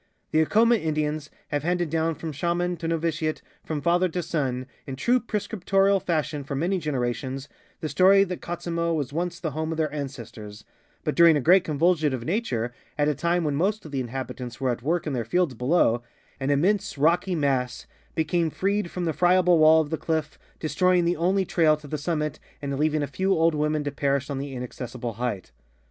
The Acoma Indians have handed down from shaman to novitiate, from father to son, in true prescrip torial fashion for many generations, the stor}^ that Katzimo was once the home of their ancestors, but during a great convulsion of nature, at a time when most of the inhabitants were at work in their fields below, an immense rockj' mass became freed from the friable wall of the cliff, destroying the only trail to the sum mit and leaving a few old women to perish on the inaccessible height.